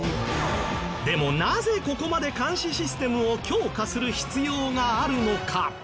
でもなぜここまで監視システムを強化する必要があるのか？